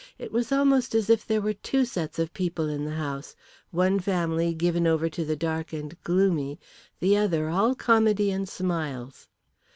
It was almost as if there were two sets of people in the house, one family given over to the dark and gloomy, the other all comedy and smiles.